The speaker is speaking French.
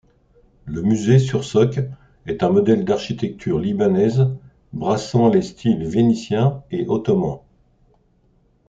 Le musée Sursock est un modèle d'architecture libanaise brassant les styles vénitien et ottoman.